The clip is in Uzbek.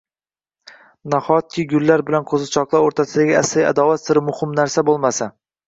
Nahotki gullar bilan qo‘zichoqlar o‘rtasidagi asriy adovat siri muhim narsa bo‘lmasa?